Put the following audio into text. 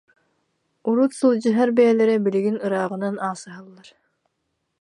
Урут сылдьыһар бэйэлэрэ билигин ырааҕынан аасыһаллар